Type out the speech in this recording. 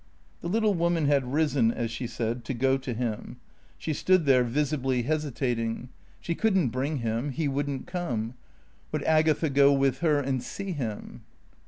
The little woman had risen, as she said, "to go to him." She stood there, visibly hesitating. She couldn't bring him. He wouldn't come. Would Agatha go with her and see him?